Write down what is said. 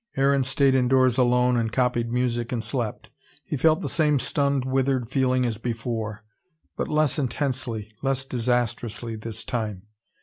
Aaron stayed indoors alone, and copied music and slept. He felt the same stunned, withered feeling as before, but less intensely, less disastrously, this time.